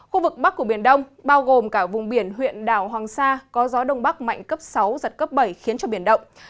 khu vực bắc của biển đông bao gồm cả vùng biển huyện đảo hoàng sa có gió đông bắc mạnh cấp sáu giật cấp bảy khiến cho biển động